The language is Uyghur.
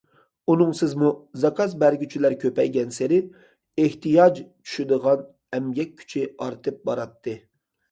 ئۇنىڭسىزمۇ، زاكاز بەرگۈچىلەر كۆپەيگەنسېرى، ئېھتىياج چۈشىدىغان ئەمگەك كۈچى ئارتىپ باراتتى.